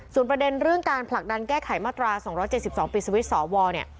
ส่วนประเด็นเรื่องการผลักดันแก้ไขมาตรา๒๗๒ปิดสวิตช์สวเนี่ย